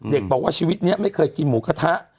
เด็กบอกว่าชีวิตนี้ไม่เคยกินหมูกระทะ